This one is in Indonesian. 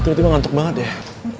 tiba tiba ngantuk banget deh